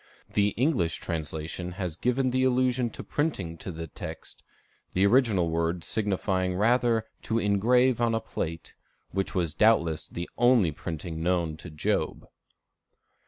The English translation has given the allusion to printing to the text, the original word signifying rather to ingrave on a plate, which was doubtless the only printing known to Job.